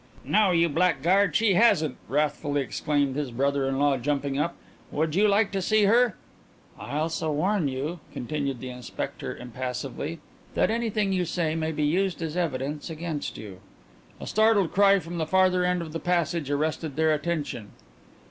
"No, you blackguard, she hasn't," wrathfully exclaimed his brother in law, jumping up. "Would you like to see her?" "I also have to warn you," continued the inspector impassively, "that anything you say may be used as evidence against you." A startled cry from the farther end of the passage arrested their attention.